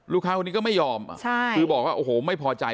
คนนี้ก็ไม่ยอมคือบอกว่าโอ้โหไม่พอใจ